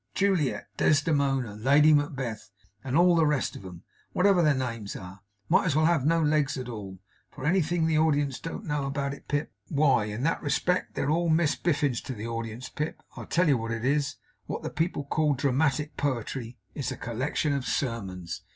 Juliet, Desdemona, Lady Macbeth, and all the rest of 'em, whatever their names are, might as well have no legs at all, for anything the audience know about it, Pip. Why, in that respect they're all Miss Biffins to the audience, Pip. I'll tell you what it is. What the people call dramatic poetry is a collection of sermons.